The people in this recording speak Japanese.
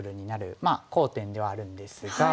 まあ好点ではあるんですが。